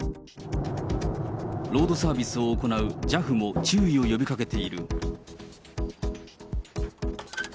ロードサービスを行うＪＡＦも注意を呼びかけている。